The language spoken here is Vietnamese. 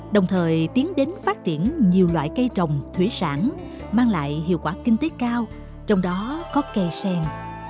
đồng thời tiến đến phát triển nhiều loại cây trồng thủy sản mang lại hiệu quả kinh tế cao trong đó có cây sen